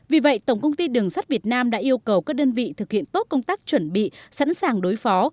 vì vậy tổng công ty đường sắt việt nam đã yêu cầu các đơn vị thực hiện tốt công tác chuẩn bị sẵn sàng đối phó